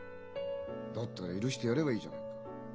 だったら許してやればいいじゃないか。